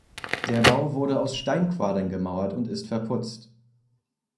Der Bau wurde aus Steinquadern gemauert und ist verputzt.